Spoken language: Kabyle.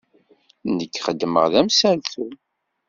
Nekk xeddmeɣ d amsaltu.